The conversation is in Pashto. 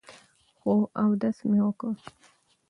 خو اودس مې وکړو ـ